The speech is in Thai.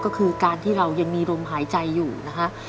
ก็คือการที่เรายังมีลมหายใจอยู่นะฮะ